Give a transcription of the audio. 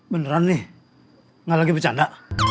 beneran nih nggak lagi bercanda